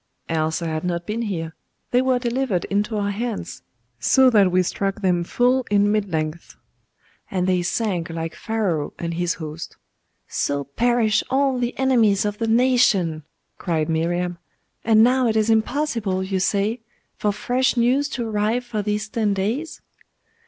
'Else had I not been here. They were delivered into our hands, so that we struck them full in mid length, and they sank like Pharaoh and his host.' 'So perish all the enemies of the nation!' cried Miriam. 'And now it is impossible, you say, for fresh news to arrive for these ten days?